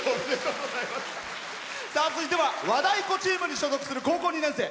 続いては和太鼓チームに所属する高校２年生。